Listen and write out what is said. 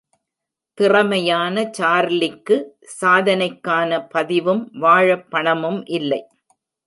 திறமையான சார்லிக்கு சாதனைக்கான பதிவும், வாழ பணமும் இல்லை.